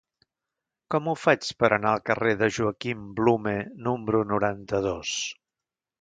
Com ho faig per anar al carrer de Joaquim Blume número noranta-dos?